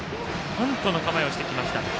バントの構えをしてきました。